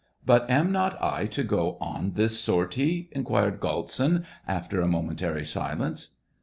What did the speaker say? " But am not I to go on this sortie }" inquired Galtsin, after a momentary silence.